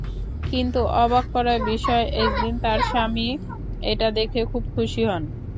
কিন্তু অবাক করার বিষয়, একদিন তাঁর স্বামী এটা দেখে খুব খুশি হন।